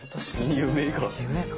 夢が？